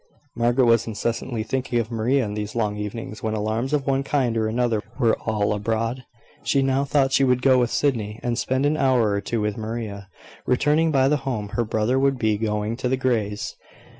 Margaret was incessantly thinking of Maria in these long evenings, when alarms of one kind or another were all abroad. She now thought she would go with Sydney, and spend an hour or two with Maria, returning by the time her brother would be going to the Greys'.